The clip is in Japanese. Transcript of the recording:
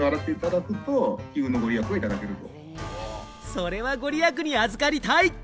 それは御利益に預かりたい！